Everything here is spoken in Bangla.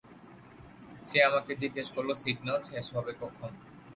সে আমাকে জিজ্ঞাসা করল সিগনাল শেষ হবে কখন।